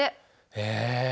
へえ。